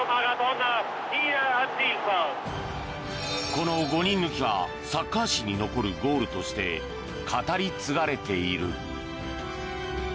この５人抜きはサッカー史に残るゴールとして語り継がれている。